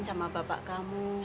saya merindukan kamu